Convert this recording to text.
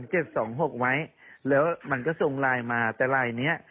เจ็ดสองหกไว้แล้วมันก็ส่งไลน์มาแต่ไลน์เนี้ย